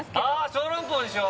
小籠包にしよう